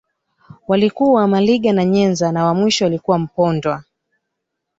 Walikuwa Maliga na Nyenza na wa mwisho alikuwa Mpondwa